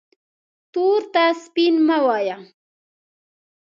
تور ته سپین مه وایه